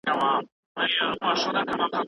آیا وزن تر حجم مهم دی؟